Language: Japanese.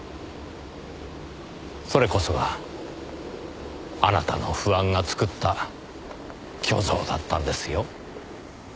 それこそがあなたの不安が作った虚像だったんですよ。